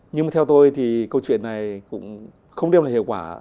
nhưng mà theo tôi thì câu chuyện này cũng không đem lại hiệu quả